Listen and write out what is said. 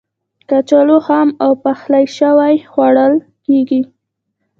کچالو خام او پخلی شوی خوړل کېږي.